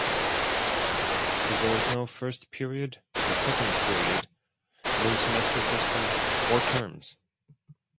There's no first period or second period, no semester system or terms.